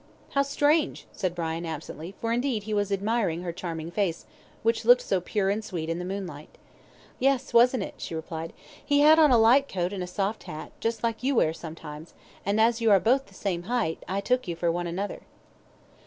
"How strange," said Brian, absently, for indeed he was admiring her charming face, which looked so pure and sweet in the moonlight. "Yes, wasn't it?" she replied. "He had on a light coat and a soft hat, just like you wear sometimes, and as you are both the same height, I took you for one another."